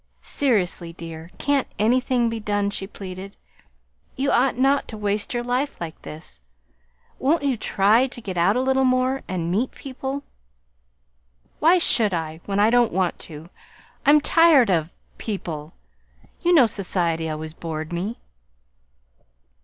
"Seriously, dear, can't anything be done?" she pleaded. "You ought not to waste your life like this. Won't you try to get out a little more, and meet people?" "Why should I, when I don't want to? I'm tired of people. You know society always bored me."